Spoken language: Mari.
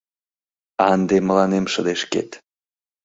А ынде мыланем шыдешкет.